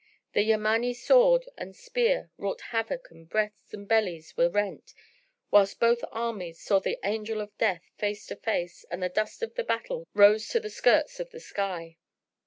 The Yamáni sword and spear wrought havoc and breasts and bellies were rent, whilst both armies saw the Angel of Death face to face and the dust of the battle rose to the skirts of the sky.